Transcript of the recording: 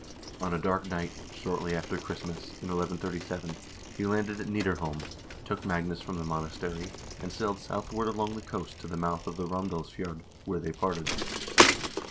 On a dark night, shortly after Christmas, in 1137, he landed at Nidarholm, took Magnus from the monastery, and sailed southward along the coast to the mouth of the Romsdalsfjord, where they parted.